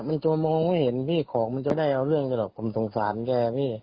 มันจะมองไม่เห็นพี่ของมันจะได้เอาเรื่องแกหรอกผมสงสารแกพี่